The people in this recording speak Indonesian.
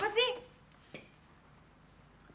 gimana sih ini lama sekali semuanya sebaliknya